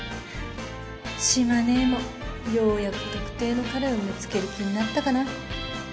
志麻ネエもようやく特定の彼を見つける気になったかな？